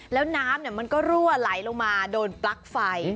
แล้วน้ำมันก็รั่วไหลลงมาโดนปลั๊กไฟ